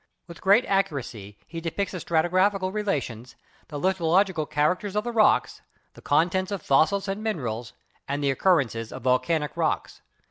With great accuracy he depicts the stratigraphical relations, the lithological characters of the rocks, the contents of fossils and minerals and the occurrences of volcanic rocks.